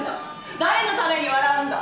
誰のために笑うんだ。